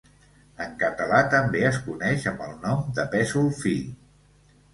En català també es coneix amb el nom de pèsol fi.